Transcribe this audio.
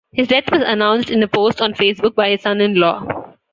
His death was announced in a post on Facebook by his son-in-law.